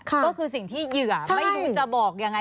ก็คือสิ่งที่เหยื่อไม่รู้จะบอกยังไง